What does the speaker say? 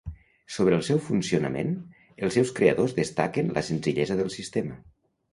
Sobre el seu funcionament, els seus creadors destaquen la senzillesa del sistema.